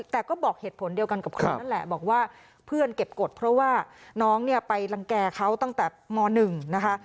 แต่ก็บอกเหตุผลเดียวกันกับคนนั่นแหละบอกว่าเพื่อนเก็บกฎเพราะว่าน้องเนี่ยไปรังแก่เขาตั้งแต่ม๑นะคะ